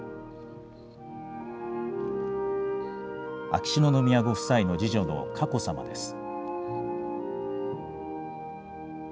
秋篠宮ご夫妻の次女の佳子さまです。